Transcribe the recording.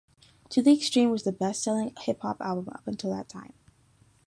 "To the Extreme" was the best selling hip hop album up until that time.